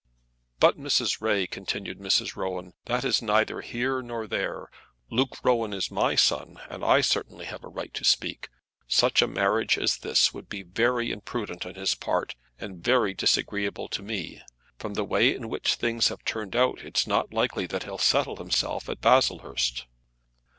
"But Mrs. Ray," continued Mrs. Rowan, "that is neither here nor there. Luke Rowan is my son, and I certainly have a right to speak. Such a marriage as this would be very imprudent on his part, and very disagreeable to me. From the way in which things have turned out it's not likely that he'll settle himself at Baslehurst."